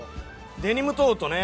デニムトートね。